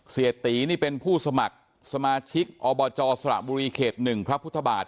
เสียตีนี่เป็นผู้สมัครสมาชิกอบจสระบุรีเขต๑พระพุทธบาท